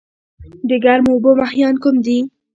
د ګرمو اوبو ماهیان کوم دي؟